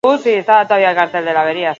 Zure curriculuma bidali.